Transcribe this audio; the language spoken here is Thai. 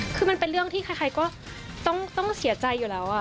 คือมันเป็นเรื่องที่ใครก็ต้องเสียใจอยู่แล้ว